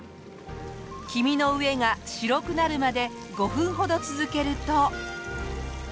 黄身の上が白くなるまで５分ほど続けると。